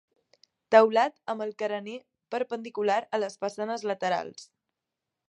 Teulat amb el carener perpendicular a les façanes laterals.